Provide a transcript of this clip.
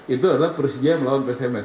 itu adalah persija melawan psms